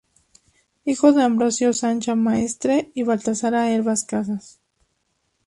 Hijo de Ambrosio Sancha Maestre y Baltasara Hervás Casas.